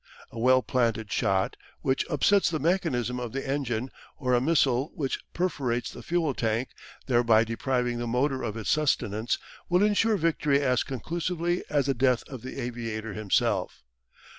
A well planted shot, which upsets the mechanism of the engine, or a missile which perforates the fuel tank, thereby depriving the motor of its sustenance, will ensure victory as conclusively as the death of the aviator himself.